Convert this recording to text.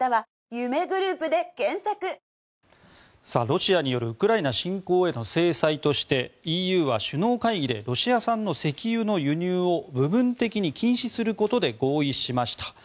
ロシアによるウクライナ侵攻への制裁としてＥＵは首脳会議でロシア産の石油の輸入を部分的に禁止することで合意しました。